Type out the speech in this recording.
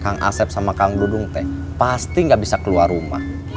kang asep sama kang dudung pasti gak bisa keluar rumah